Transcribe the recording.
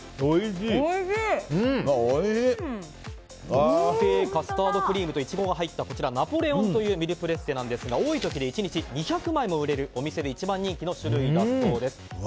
特製カスタードクリームとイチゴが入ったナポレオンというミルプレッセですが多い時で１日２００枚も売れるお店で一番人気の種類だそうです。